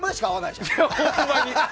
ほんまに。